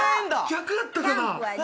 逆やったかな。